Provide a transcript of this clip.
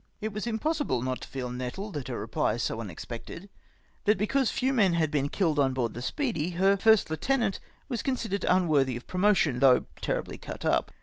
It was impossible not to feel nettled at a reply so unexpected : that because few men had been kihed on board the Speedy, her first heutenant was considered unworthy of promotion, though terribly cut up.